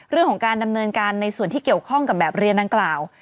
เรื่องของการดำเนินการในส่วนที่เกี่ยวข้องกับแบบเรียนดังกล่าว